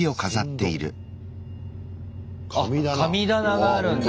あっ神棚があるんだ。